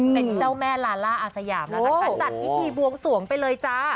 เป็นเจ้าแม่ลาล่าอาสยามแล้วนะคะจัดพิธีบวงสวงไปเลยจ้า